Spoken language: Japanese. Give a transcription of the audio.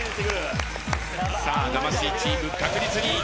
さあ魂チーム確実に。